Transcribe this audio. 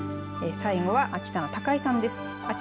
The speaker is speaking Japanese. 最後は秋田の高井さんです。